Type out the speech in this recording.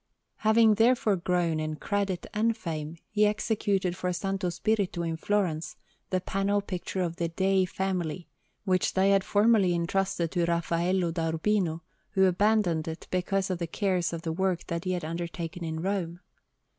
Having therefore grown in credit and fame, he executed for S. Spirito, in Florence, the panel picture of the Dei family, which they had formerly entrusted to Raffaello da Urbino, who abandoned it because of the cares of the work that he had undertaken in Rome.